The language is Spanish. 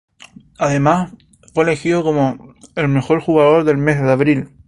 Además, fue elegido como mejor jugador del mes de abril.